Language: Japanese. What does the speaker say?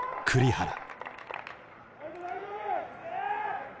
栗原